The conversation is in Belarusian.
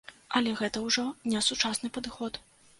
Але гэта ўжо не сучасны падыход.